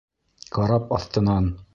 — Карап аҫтынан!